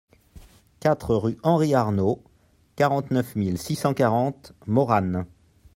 quatre rue Henry Arnault, quarante-neuf mille six cent quarante Morannes